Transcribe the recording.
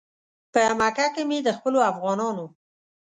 په مکه کې مې د خپلو افغانانو.